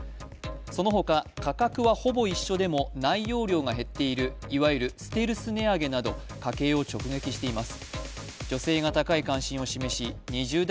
そのほか価格は、ほぼ一緒でも内容量が減っているいわゆるステルス値上げなど家計を直撃しています。